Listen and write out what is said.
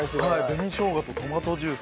紅しょうがとトマトジュース。